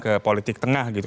ke politik tengah gitu